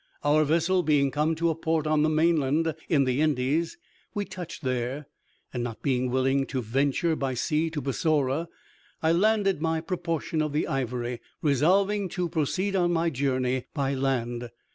Our vessel being come to a port on the mainland in the Indies, we touched there, and, not being willing to venture by sea to Bussorah, I landed my proportion of the ivory, resolving to proceed on my journey by land.